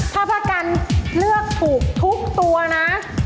ถ้าพระกันเลือกถูกทุกตัวนะ